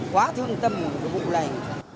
quá thân tâm một cái vụ này